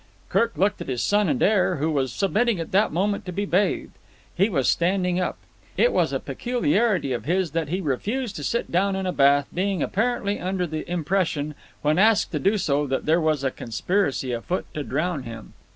Kirk looked at his son and heir, who was submitting at that moment to be bathed. He was standing up. It was a peculiarity of his that he refused to sit down in a bath, being apparently under the impression, when asked to do so, that there was a conspiracy afoot to drown him.